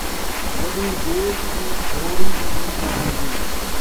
وݙی دیڳ دی گھروڑی وی نئیں ماوݨ دی